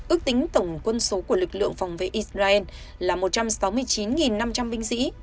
ước tính tổng quân số của lực lượng phòng vệ israel là một trăm sáu mươi chín năm trăm linh binh sĩ